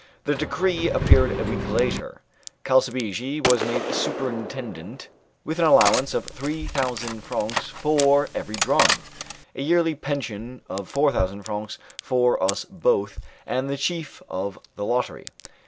The decree appeared a week after. Calsabigi was made superintendent, with an allowance of three thousand francs for every drawing, a yearly pension of four thousand francs for us both, and the chief of the lottery.